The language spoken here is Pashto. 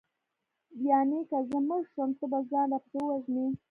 یانې که زه مړه شوم ته به ځان راپسې ووژنې